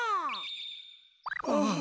ああ。